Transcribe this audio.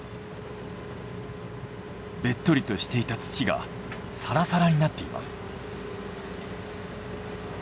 べっとりとしていた土がサラサラになっています。